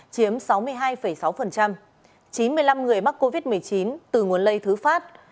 chiếm sáu mươi hai sáu chín mươi năm người mắc covid một mươi chín từ nguồn lây thứ phát